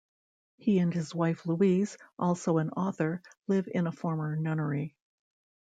He and his wife Louise, also an author, live in a former nunnery.